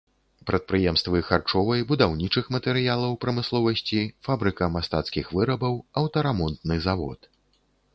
Прадпрыемствы харчовай, будаўнічых матэрыялаў прамысловасці, фабрыка мастацкіх вырабаў, аўтарамонтны завод.